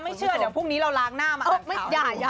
ถ้าไม่เชื่อเดี๋ยวพรุ่งนี้เราล้างหน้ามาอ่างเท้า